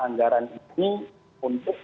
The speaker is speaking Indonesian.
anggaran ini untuk